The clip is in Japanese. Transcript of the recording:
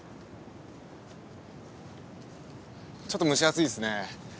ちょっと蒸し暑いですね。